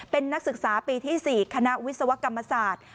เป็นนักศึกษาปีที่๔คณะวิศวกรรมศาสตร์